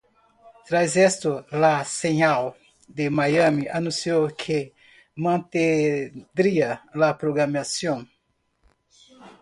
Tras esto, la señal de Miami anunció que mantendría la programación.